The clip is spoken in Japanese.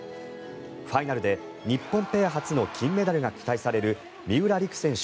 ファイナルで日本ペア初の金メダルが期待される三浦璃来選手